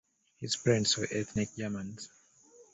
His parents were ethnic Germans.